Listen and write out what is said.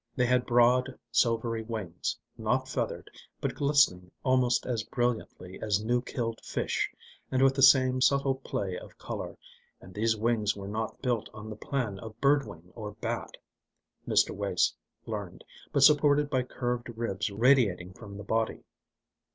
They had broad, silvery wings, not feathered, but glistening almost as brilliantly as new killed fish and with the same subtle play of colour, and these wings were not built on the plan of bird wing or bat, Mr. Wace learned, but supported by curved ribs radiating from the body.